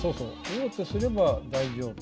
王手すれば大丈夫。